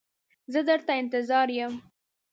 زه در ته انتظار یم.